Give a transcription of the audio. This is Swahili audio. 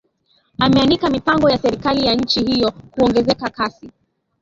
ameanika mipango ya serikali ya nchi hiyo kuongeza kasi